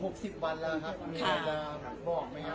ครับ๖๐วันแล้วครับ